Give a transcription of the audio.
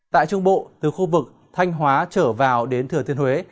tại trung bộ từ khu vực thanh hóa trở vào đến thừa thiên huế